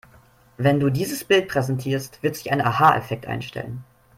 Wenn du dieses Bild präsentierst, wird sich ein Aha-Effekt einstellen.